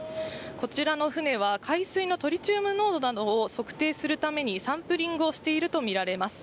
こちらの船は、海水のトリチウム濃度などを測定するためにサンプリングをしていると見られます。